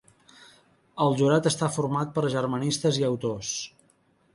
El jurat està format per germanistes i autors.